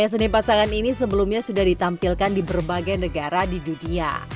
seni pasangan ini sebelumnya sudah ditampilkan di berbagai negara di dunia